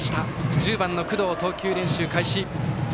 １０番の工藤、投球練習開始。